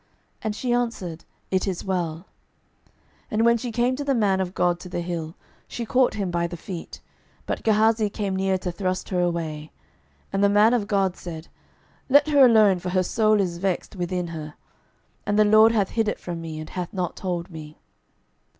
And she answered, It is well: 12:004:027 And when she came to the man of God to the hill, she caught him by the feet: but Gehazi came near to thrust her away. And the man of God said, Let her alone; for her soul is vexed within her: and the LORD hath hid it from me, and hath not told me.